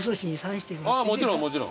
もちろんもちろん。